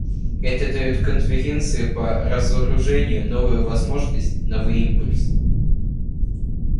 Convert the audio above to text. Это дает Конференции по разоружению новую возможность, новый импульс.